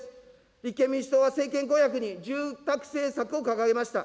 立憲民主党は政権公約に、住宅政策を掲げました。